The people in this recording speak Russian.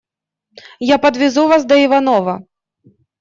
Я подвезу вас до Иваново.